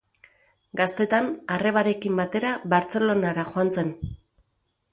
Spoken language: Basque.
Gaztetan, arrebarekin batera Bartzelonara joan zen.